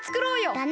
だね！